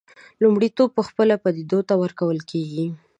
لومړیتوب پخپله پدیدو ته ورکول کېږي.